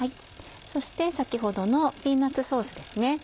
そして先ほどのピーナッツソースですね。